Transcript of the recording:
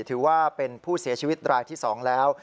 ถือว่าเป็นผู้เสียชีวิตรายที่๒แล้ว